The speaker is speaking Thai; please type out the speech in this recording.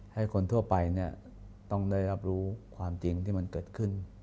ให้คนทั่วไปต้องได้รับรู้ความจริงที่มันเกิดขึ้น